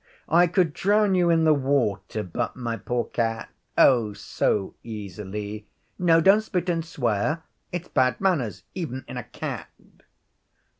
I could drown you in the water butt, my poor cat oh, so easily. No, don't spit and swear. It's bad manners even in a cat.'